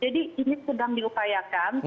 jadi ini sedang dilupayakan